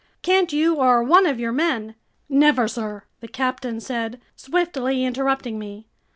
Can't you or one of your men—" "Never, sir," the captain said, swiftly interrupting me.